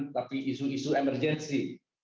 tapi isu isu emergensi